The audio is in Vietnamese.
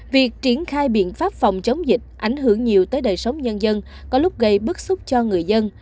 việc triển khai biện pháp phòng chống dịch ảnh hưởng nhiều tới đời sống nhân dân có lúc gây bức xúc cho người dân